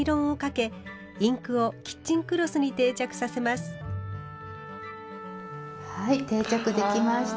仕上げにはい定着できました。